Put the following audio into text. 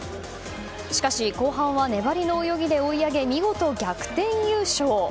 しかし後半は粘りの泳ぎで追い上げ見事、逆転優勝！